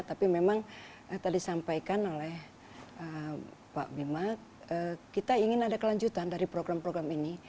tapi memang tadi sampaikan oleh pak bima kita ingin ada kelanjutan dari program program ini